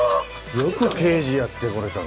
よく刑事やってこれたな。